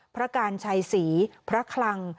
พระการชัยศรีพระคลัง